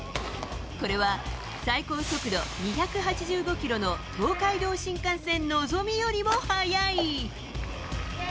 これは最高速度２８５キロの東海道新幹線のぞみよりも速い。